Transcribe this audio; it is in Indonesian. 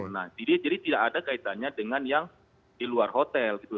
nah jadi tidak ada kaitannya dengan yang di luar hotel gitu